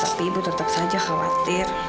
tapi ibu tetap saja khawatir